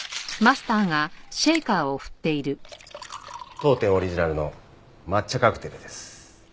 当店オリジナルの抹茶カクテルです。